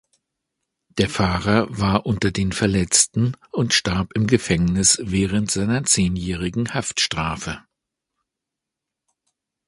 Der Fahrer war unter den Verletzten und starb im Gefängnis während seiner zehnjährigen Haftstrafe.